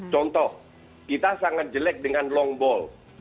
contoh kita sangat jelek dengan long ball